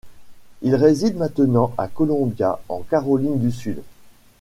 Il réside maintenant à Columbia en Caroline du Sud.